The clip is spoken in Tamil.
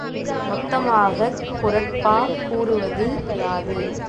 மொத்தமாகக் குறட்பா கூறுவது யாது?